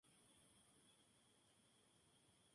El libro está orientado a un público de seis años en adelante.